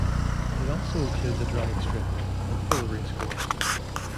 It also includes a drag strip and full race course.